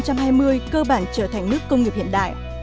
cơ bản trở thành nước công nghiệp hiện đại